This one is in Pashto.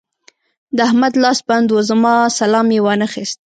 د احمد لاس بند وو؛ زما سلام يې وانخيست.